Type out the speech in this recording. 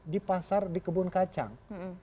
di pasar di kebun kacang